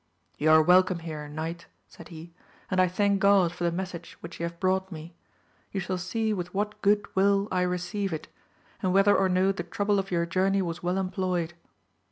You are welcome here knight, said he, and I thank God for the message which you have brought me ; you shall see with what good will I receive it, and whether or no the trouble of your journey was well employed.